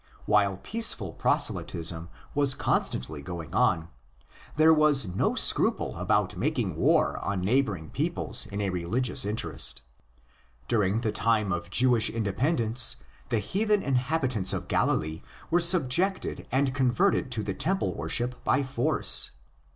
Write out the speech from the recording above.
While peaceful proselytism was constantly going on, there was no scruple about making war on neighbouring peoples in a religious interest. During the time of Jewish independence the heathen inhabi tants of Galilee were subjugated and converted to the temple worship by force.